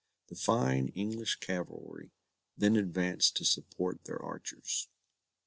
The fine English cavalry then advanced to support their archers.